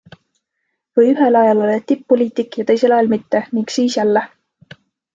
Või ühel ajal oled tipp-poliitik ja teisel ajal mitte, ning siis jälle.